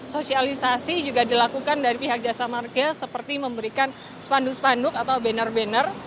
sosialisasi juga dilakukan dari pihak jasa marga seperti memberikan spanduk spanduk atau banner banner